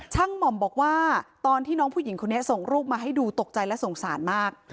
หม่อมบอกว่าตอนที่น้องผู้หญิงคนนี้ส่งรูปมาให้ดูตกใจและสงสารมาก